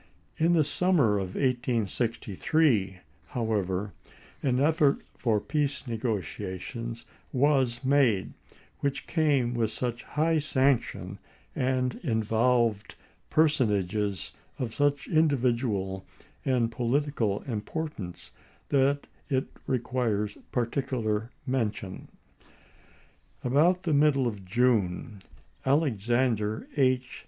In the summer of 1863, how ever, an effort for peace negotiations was made, which came with such high sanction and involved personages of such individual and political impor tance that it requires particular mention. About the middle of June Alexander H.